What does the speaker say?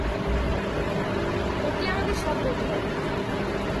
ওম ওকে আমাদের সব বলতে হবে।